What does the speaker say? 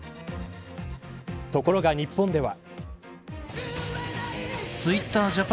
ところが日本では。